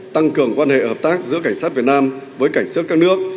tăng cường quan hệ hợp tác giữa cảnh sát việt nam với cảnh sát các nước